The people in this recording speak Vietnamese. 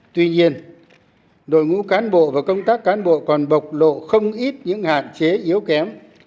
tuy nhiên đội ngũ cán bộ và công tác cán bộ còn bộc lộ không ít những hạn chế yếu kém